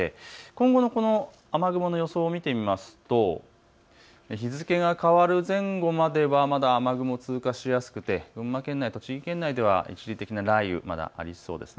今後の雨雲の予想を見てみますと日付が変わる前後まではまだ雨雲が通過しやすくて群馬県内、栃木県内では一時的な雷雨、まだありそうです。